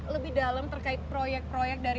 lebih dalam terkait proyek proyek dari